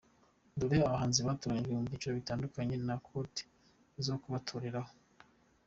Dore abahanzi batoranyijwe mu byiciro bitandukanye na code zo kubatoraho:.